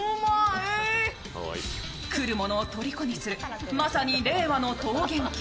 来る者をとりこにするまさに令和の桃源郷。